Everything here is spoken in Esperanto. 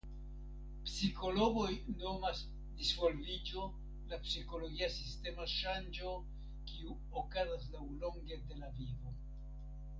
Psikologoj nomas "disvolviĝo" la psikologia sistema ŝanĝo kiu okazas laŭlonge de la vivo.